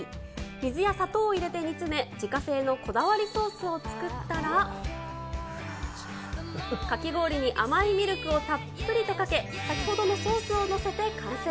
水や砂糖を入れて煮詰め、自家製のこだわりソースを作ったら、かき氷に甘いミルクをたっぷりとかけ、先ほどのソースを載せて完成。